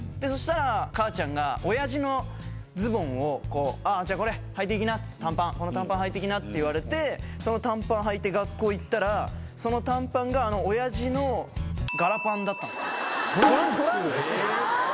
そしたら母ちゃんがおやじのズボンをこう「じゃあこれはいていきな短パンこの短パンはいていきな」って言われてその短パンはいて学校行ったらその短パンがおやじの柄パンだったんですよ。